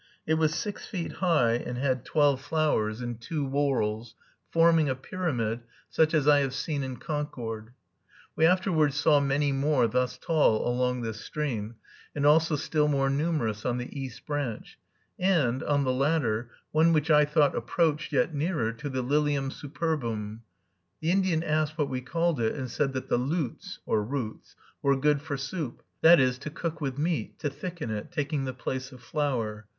It was six feet high, and had twelve flowers, in two whorls, forming a pyramid, such as I have seen in Concord. We afterward saw many more thus tall along this stream, and also still more numerous on the East Branch, and, on the latter, one which I thought approached yet nearer to the Lilium superbum. The Indian asked what we called it, and said that the "loots" (roots) were good for soup, that is, to cook with meat, to thicken it, taking the place of flour.